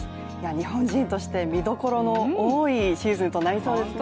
日本人として見どころの多いシーズンとなりそうですね。